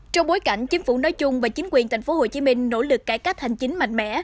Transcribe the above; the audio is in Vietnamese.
trong bối cảnh chính phủ nói chung và chính quyền tp hcm nỗ lực cải cách hành chính mạnh mẽ